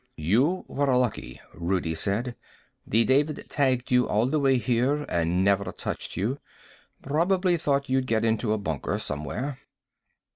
"You were lucky," Rudi said. "The David tagged you all the way here and never touched you. Probably thought you'd get it into a bunker, somewhere."